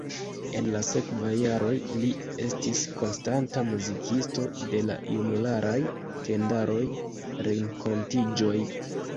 En la sekvaj jaroj li estis konstanta muzikisto de la junularaj tendaroj, renkontiĝoj.